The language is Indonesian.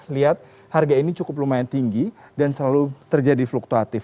lihat harga ini cukup lumayan tinggi dan selalu terjadi fluktuatif